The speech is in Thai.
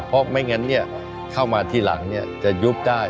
เพราะไม่งั้นเนี่ยเข้ามาทีหลังเนี่ยจะยุบได้